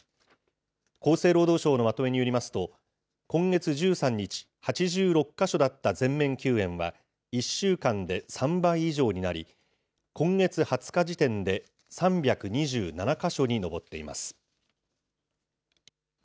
厚生労働省のまとめによりますと、今月１３日、８６か所だった全面休園は、１週間で３倍以上になり、今月２０日時点で３２７か所に上っています。